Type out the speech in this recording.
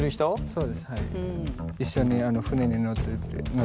そうですはい。